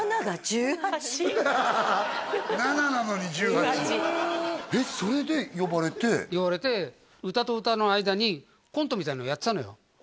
ナナなのに１８えっそれで呼ばれて呼ばれて歌と歌の間にコントみたいなのをやってたのよ